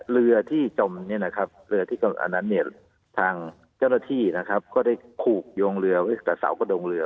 เรือที่จบทางเจ้าหน้าที่เขาได้คูกโยงเรือได้กระเสากระดงเรือ